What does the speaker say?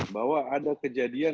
bahwa ada kejadian